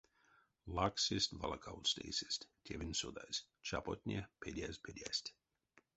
Лаксесть-валакавтсть эйсэст тевень содазь, чапотне педязь педясть.